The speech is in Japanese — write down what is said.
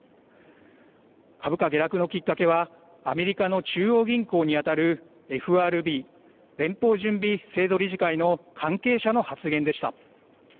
株価下落のきっかけはアメリカの中央銀行にあたるＦＲＢ・連邦準備制度理事会の関係者の発言でした。